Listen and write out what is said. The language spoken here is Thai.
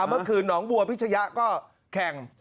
เมื่อคืนหนองบัวพิชยะก็แข่ง